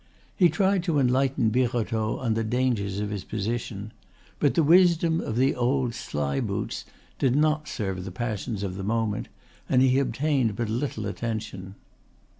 He tried to enlighten Birotteau on the dangers of his position; but the wisdom of the old "sly boots" did not serve the passions of the moment, and he obtained but little attention.